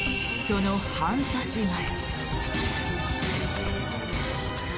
その半年前。